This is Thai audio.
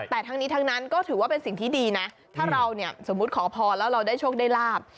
แต่ทั้งนี้ทั้งนั้นก็ถือว่าเป็นสิ่งที่ดีนะถ้าเราเนี่ยสมมุติขอพรแล้วเราได้โชคได้ลาบ